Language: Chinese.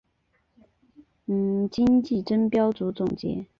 今季争标组总结。